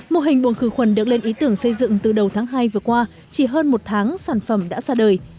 mô hình buồng khử khuẩn được lên ý tưởng xây dựng từ đầu tháng hai vừa qua chỉ hơn một tháng sản phẩm đã ra đời